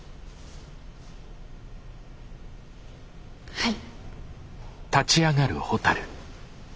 はい。